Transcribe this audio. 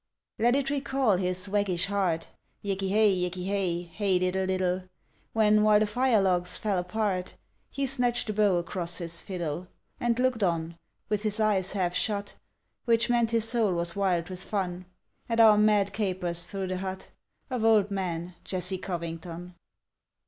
Let it recall his waggish heart Yeke hey, yeke hey, hey diddle diddle When, while the fire logs fell apart, He snatched the bow across his fiddle, And looked on, with his eyes half shut, Which meant his soul was wild with fun, At our mad capers through the hut Of old man Jesse Covington.